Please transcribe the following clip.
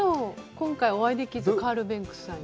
今回お会いできず、カール・ベンクスさんに。